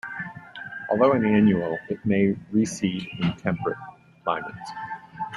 Although an annual, it may reseed in temperate climates.